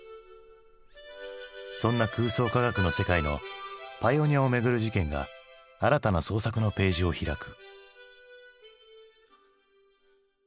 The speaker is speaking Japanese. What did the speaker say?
そんな空想科学の世界のパイオニアをめぐる事件が新たな創作のページを開く。